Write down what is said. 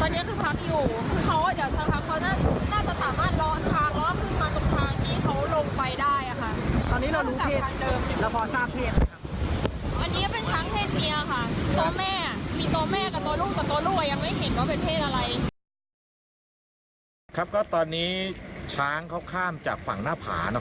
แต่ตัวลวยยังไม่เห็นเขาเป็นเพศอะไรครับก็ตอนนี้ช้างเขาข้ามจากฝั่งหน้าผา